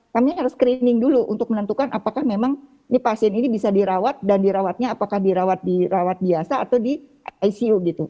kami harus screening dulu untuk menentukan apakah memang pasien ini bisa dirawat dan dirawatnya apakah dirawat dirawat biasa atau di icu gitu